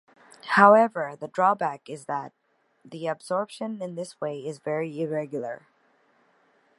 However, the drawback is that the absorption in this way is very irregular.